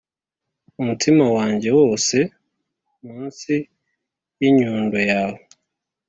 umutima wanjye wose munsi y'inyundo yawe,